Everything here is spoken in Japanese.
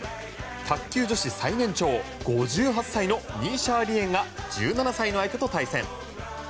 卓球女子最年長５８歳のニー・シャー・リエンが１７歳の相手と対戦。